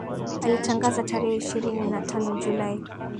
alitangaza tarehe ishirini na tano julai